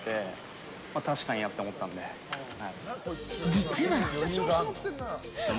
実は。